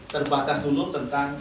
terbatas dulu tentang